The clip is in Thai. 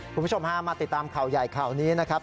คุณผู้ชมฮะมาติดตามข่าวใหญ่ข่าวนี้นะครับ